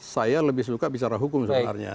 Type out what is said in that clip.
saya lebih suka bicara hukum sebenarnya